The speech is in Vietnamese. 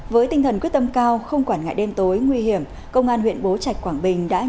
với tinh thần quyết tâm cao không quản ngại đêm tối nguy hiểm công an huyện bố trạch quảng bình đã nhận